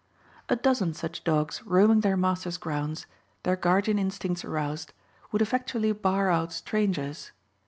A dozen such dogs roaming their master's grounds, their guardian instincts aroused, would effectually bar out strangers.